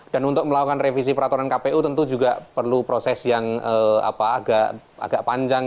dan untuk melakukan revisi peraturan kpu tentu juga perlu proses yang agak panjang